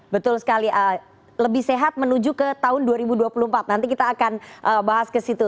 betul sekali lebih sehat menuju ke tahun dua ribu dua puluh empat nanti kita akan bahas ke situ